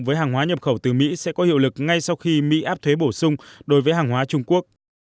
với hàng hóa nhập khẩu từ mỹ sẽ có hiệu lực ngay sau khi mỹ áp thuế bổ sung đối với hàng hóa trung quốc